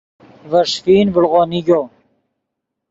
ڤے ݰیفین ڤڑو نیگو